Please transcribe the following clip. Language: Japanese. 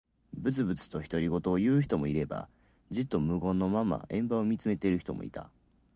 ぶつぶつと独り言を言う人もいれば、じっと無言のまま円盤を見つめている人もいた。